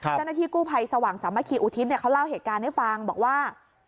เจ้าหน้าที่กู้ภัยสว่างสามัคคีอุทิศเขาเล่าเหตุการณ์ให้ฟังบอกว่า